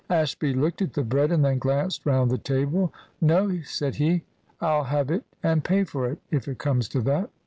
Ashby looked at the bread, and then glanced round the table. "No," said he, "I'll have it and pay for it, if it comes to that."